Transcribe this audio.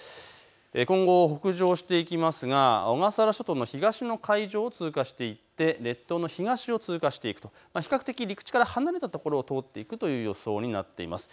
今後、北上していきますが小笠原諸島の東の海上を通過していって、列島の東を通過していく、比較的陸地から離れたところを通っていくという予想になっています。